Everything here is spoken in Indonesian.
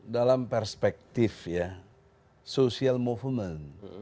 dalam perspektif ya social movement